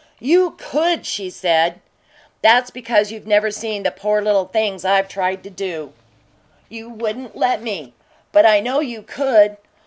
"You could!" she said. "That's because you've never seen the poor little things I've tried to do." "You wouldn't let me, but I KNOW you could!